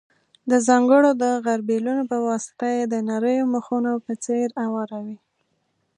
د ځانګړو غربیلونو په واسطه یې د نریو مخونو په څېر اواروي.